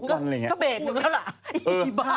ก็เบรกหนึ่งแล้วล่ะ